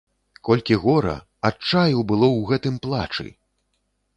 Колькі гора, адчаю было ў гэтым плачы!